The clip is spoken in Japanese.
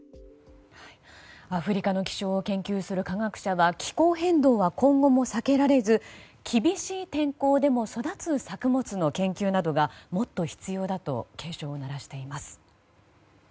アフリカの気象を研究する科学者は気候変動は今後も避けられず厳しい天候でも育つ作物の研究などがもっと必要だと警鐘を鳴らしています。